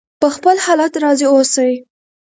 په خپل حالت راضي اوسئ.